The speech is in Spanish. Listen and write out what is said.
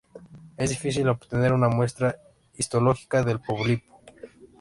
Es difícil obtener una muestra histológica del pólipo.